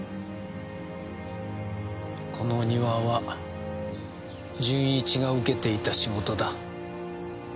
この庭は純一が受けていた仕事だ。